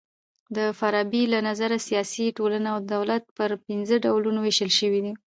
د فارابۍ له نظره سیاسي ټولنه او دولت پر پنځه ډولونو وېشل سوي دي.